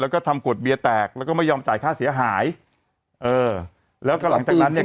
แล้วก็ทำกดเบียร์แตกแล้วก็ไม่ยอมจ่ายค่าเสียหายเออแล้วก็หลังจากนั้นเนี่ย